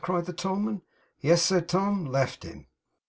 cried the tollman. 'Yes,' said Tom, 'left him.